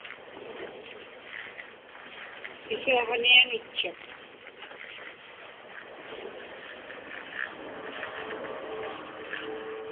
Pisuaġniaŋitchuq.